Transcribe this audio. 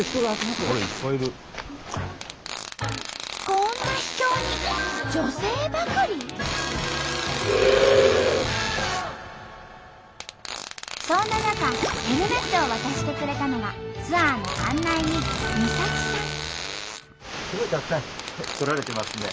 こんな秘境にそんな中ヘルメットを渡してくれたのがツアーの案内人すごいたくさん来られてますね。